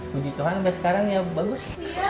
puji tuhan sampai sekarang ya bagus